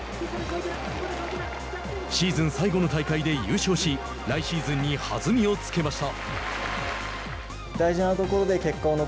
シーズン最後の大会で優勝し来シーズンに弾みをつけました。